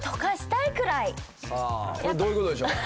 これはどういうことでしょう？